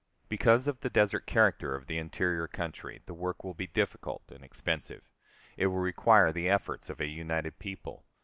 Because of the desert character of the interior country, the work will be difficult and expensive. It will require the efforts of a united people.